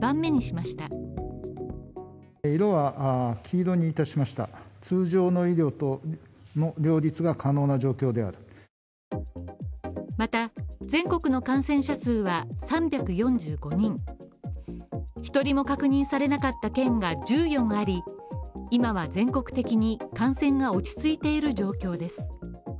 また、全国の感染者数は３４５人１人も確認されなかった県が１４あり、今は全国的に感染が落ち着いている状況です。